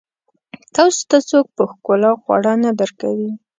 تاسو ته څوک په ښکلا خواړه نه درکوي.